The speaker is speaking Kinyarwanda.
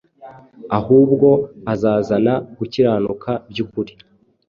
ahubwo azazana gukiranuka by’ukuri.